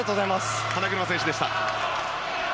花車選手でした。